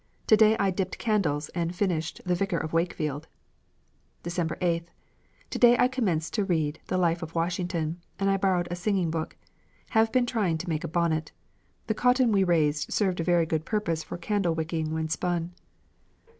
To day I dipped candles and finished the 'Vicar of Wakefield.'" "December 8th. To day I commenced to read the 'Life of Washington,' and I borrowed a singing book. Have been trying to make a bonnet. The cotton we raised served a very good purpose for candle wicking when spun."